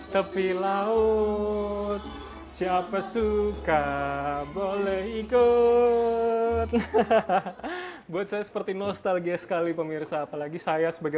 tepi laut siapa suka boleh ikut hahaha buat saya seperti nostalgia sekali pemirsa apalagi saya sebagai